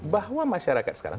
bahwa masyarakat sekarang